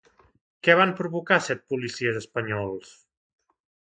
Què van provocar set policies espanyols?